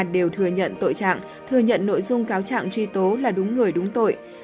đều thừa nhận tội trạng thừa nhận nội dung cáo trạng truy tố là đúng người đúng tội